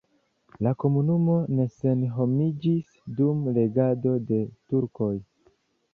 La komunumo ne senhomiĝis dum regado de turkoj.